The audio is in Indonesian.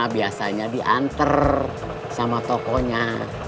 biasanya diantar sama tokonya